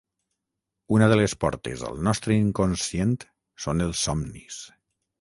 Una de les portes al nostre inconscient són els somnis